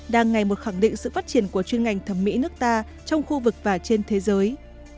đang ngày một khẳng định sự phát triển của chuyên ngành thẩm mỹ nước ta trong khu vực và trên thế giới